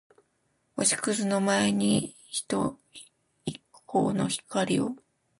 星屑の前に一閃の光を